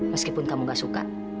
meskipun kamu gak suka